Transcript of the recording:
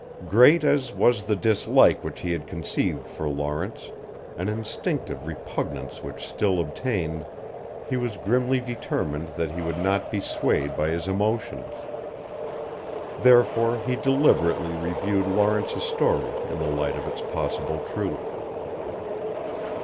Great as was the dislike which he had conceived for Lawrence an instinctive repugnance which still obtained he was grimly determined that he would not be swayed by his emotions. Therefore he deliberately reviewed Lawrence's story in the light of its possible truth.